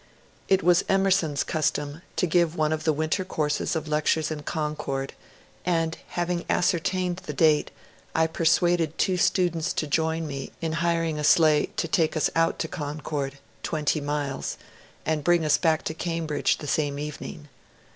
It was Emerson's custom to give one of the winter courses of lectures in Concord, and having ascertained the date I persuaded two students to join me in hiring a sleigh to take us out to Concord (twenty miles) and bring us back to Cam bridge the same evening.